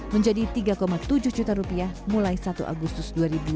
menjadi rp tiga tujuh juta rupiah mulai satu agustus dua ribu dua puluh